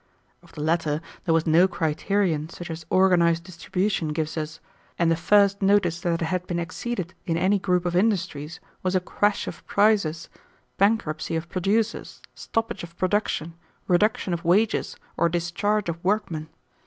"Of the latter there was no criterion such as organized distribution gives us, and the first notice that it had been exceeded in any group of industries was a crash of prices, bankruptcy of producers, stoppage of production, reduction of wages, or discharge of workmen.